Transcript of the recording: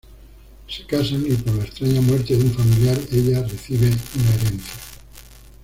Se casan y por la extraña muerte de un familiar ella recibe una herencia.